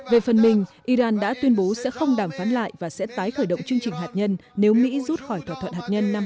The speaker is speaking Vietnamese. về phần mình iran đã tuyên bố sẽ không đàm phán lại và sẽ tái khởi động chương trình hạt nhân nếu mỹ rút khỏi thỏa thuận hạt nhân năm hai nghìn một mươi